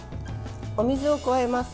お水を加えます。